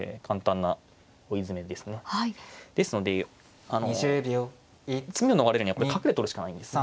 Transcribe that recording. ですのであの詰みを逃れるには角で取るしかないんですね。